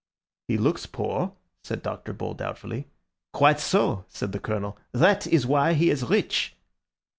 "He looks poor," said Dr. Bull doubtfully. "Quite so," said the Colonel; "that is why he is rich."